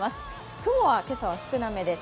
雲は今朝は少なめです。